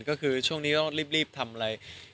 ก็คือช่วงนี้ก็รีบทำอะไร